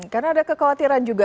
karena ada kekhawatiran juga